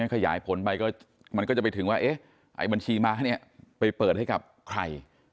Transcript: ขยายผลไปก็มันก็จะไปถึงว่าไอ้บัญชีม้าเนี่ยไปเปิดให้กับใคร